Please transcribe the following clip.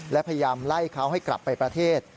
และพยายามไล่เขาให้กลับไปประเทศ